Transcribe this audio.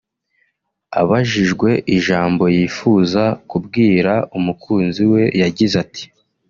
Abajijwe ijambo yifuza kubwira umukunzi we yagize ati